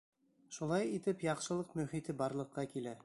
Шулай итеп, яҡшылыҡ мөхите барлыҡҡа килә.